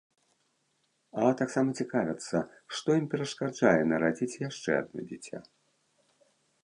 А таксама цікавяцца, што ім перашкаджае нарадзіць яшчэ адно дзіця?